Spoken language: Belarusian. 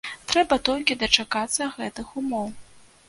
Трэба толькі дачакацца гэтых умоў.